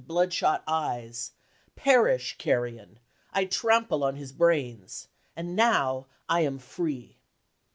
bloodshot eyes . Perish , carrion ! I trample on his brains. And now I am free